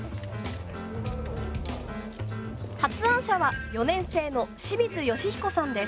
発案者は４年生の清水由彦さんです。